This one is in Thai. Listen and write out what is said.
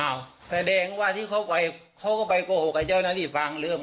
แสดงว่าที่เขาไปเขาก็ไปโกหกกับเจ้าหน้าที่ฟังเรื่อง